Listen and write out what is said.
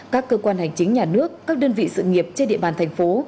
các cơ quan hành chính nhà nước các đơn vị sự nghiệp trên địa bàn thành phố